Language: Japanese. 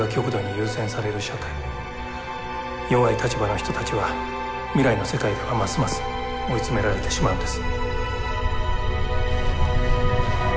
弱い立場の人たちは未来の世界ではますます追い詰められてしまうんです。